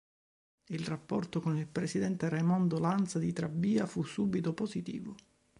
Il rapporto con il Presidente Raimondo Lanza di Trabia fu subito positivo.